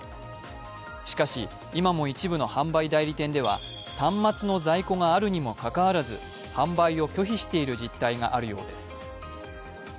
しかし、今も一部の販売代理店では端末の在庫があるにもかかわらず販売を拒否している実態があるようです。